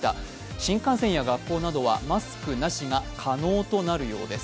新幹線や学校などはマスクなしが可能となるようです。